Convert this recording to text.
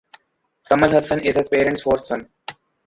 Kamal Hassan is his parents’ fourth son.